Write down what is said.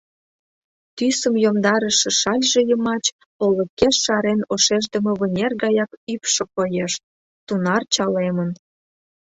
Тӱсым йомдарыше шальже йымач олыкеш шарен ошемдыме вынер гаяк ӱпшӧ коеш — тунар чалемын.